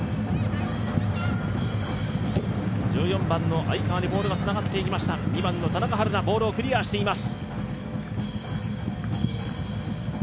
１４番の愛川にボールがつながっていきましたが２番の田中晴菜、ボールをクリアしています。